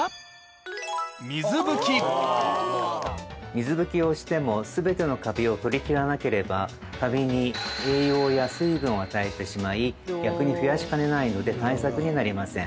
水拭きをしても全てのカビを取りきらなければカビに栄養や水分を与えてしまい逆に増やしかねないので対策になりません。